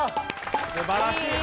すばらしい。